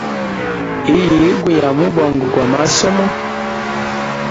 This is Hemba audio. Iyigwa ya mubongo gwa masomo.